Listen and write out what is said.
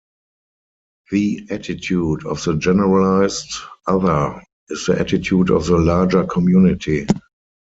The attitude of the generalized other is the attitude of the larger community.